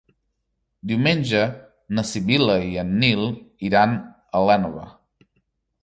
Diumenge na Sibil·la i en Nil iran a l'Énova.